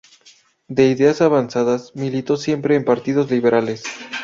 De ideas avanzadas, militó siempre en partidos liberales.